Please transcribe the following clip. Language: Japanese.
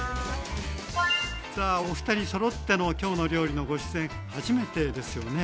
さあお二人そろっての「きょうの料理」のご出演初めてですよね。